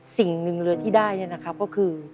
สิ่งหนึ่งเลยที่ได้เนี่ยนะครับก็คือ